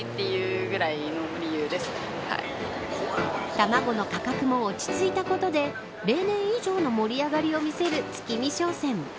卵の価格も落ち着いたことで例年以上の盛り上がりを見せる月見商戦。